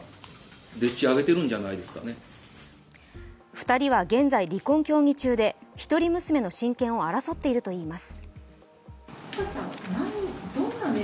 ２人は現在、離婚協議中で一人娘の親権を争っているといいます。